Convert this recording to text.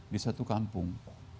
di satu kampung